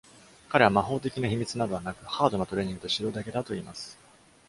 彼は魔法的な秘密などはなく、ハードなトレーニングと指導だけだと言います。